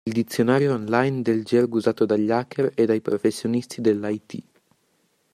Il dizionario online del gergo usato dagli hacker e dai professionisti dell'IT.